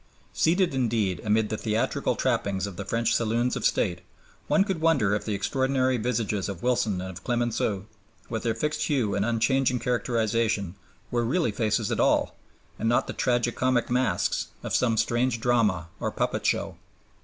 Seated indeed amid the theatrical trappings of the French Saloons of State, one could wonder if the extraordinary visages of Wilson and of Clemenceau, with their fixed hue and unchanging characterization, were really faces at all and not the tragi comic masks of some strange drama or puppet show.